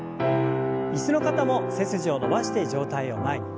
椅子の方も背筋を伸ばして上体を前に。